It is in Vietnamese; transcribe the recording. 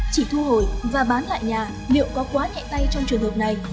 chỉ thu hồi và bán lại nhà liệu có quá nhẹ tay trong trường hợp này